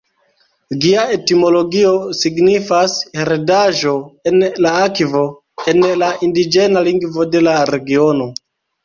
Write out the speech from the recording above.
Gia etimologio signifas "heredaĵo en la akvo", en la indiĝena lingvo de la regiono.